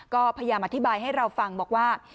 ก็พยายามอธิบายให้เราฟังบอกว่า